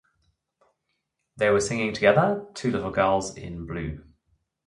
They were singing together “Two Little Girls in Blue”.